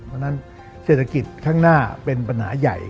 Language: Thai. เพราะฉะนั้นเศรษฐกิจข้างหน้าเป็นปัญหาใหญ่